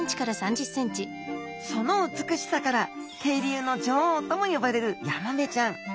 その美しさから渓流の女王とも呼ばれるヤマメちゃん。